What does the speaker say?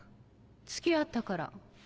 付き合ったから。